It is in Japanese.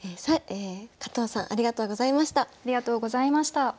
加藤さんありがとうございました。